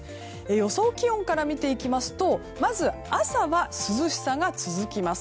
予想気温から見ていきますとまず、朝は涼しさが続きます。